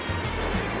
jangan makan aku